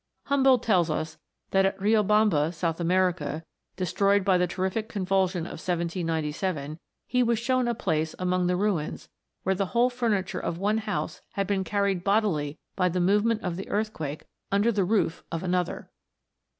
Humboldt tells us that at Riobamba, South America, destroyed by the terrific convulsion of 1797, he was shown a place among the ruins where the whole furniture of one house had been carried bodily by the movement of the earthquake under the roof of another.